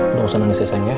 udah usah nangis ya sayang